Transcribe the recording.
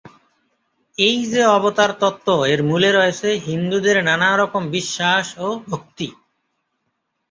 এই যে অবতারতত্ত্ব এর মূলে রয়েছে হিন্দুদের নানারকম বিশ্বাস ও ভক্তি।